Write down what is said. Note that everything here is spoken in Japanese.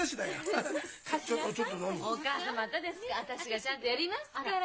私がちゃんとやりますから。